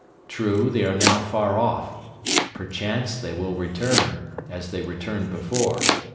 True, they are now far off. Perchance they will return, as they returned before.